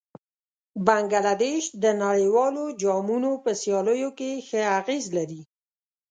بنګله دېش د نړیوالو جامونو په سیالیو کې ښه اغېز لري.